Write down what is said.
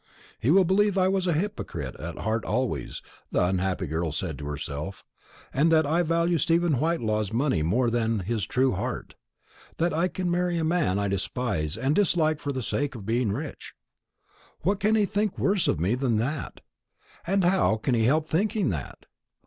"He will believe that I was a hypocrite at heart always," the unhappy girl said to herself, "and that I value Stephen Whitelaw's money more than his true heart that I can marry a man I despise and dislike for the sake of being rich. What can he think worse of me than that? and how can he help thinking that?